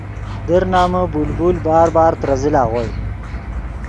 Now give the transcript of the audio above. در نمن بلبل بار بار ترے زل اغوئے